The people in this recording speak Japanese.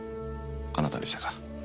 あなたでしたか。